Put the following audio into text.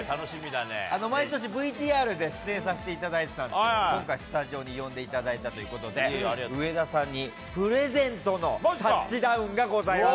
毎年、ＶＴＲで出演させていただいてたんですけど、今回、スタジオに呼んでいただいたということで、上田さんにプレゼントのタッチダウンがございます。